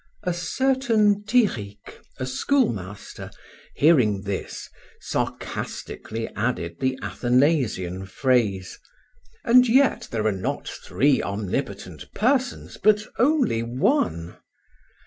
A certain Tirric, a schoolmaster, hearing this, sarcastically added the Athanasian phrase, "And yet there are not three omnipotent Persons, but only One."